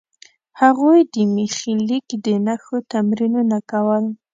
هغوی د میخي لیک د نښو تمرینونه کول.